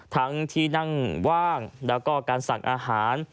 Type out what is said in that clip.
ทั้งที่นั่งว่างแล้วก็การสั่งอาหาร